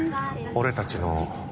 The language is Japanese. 俺たちの。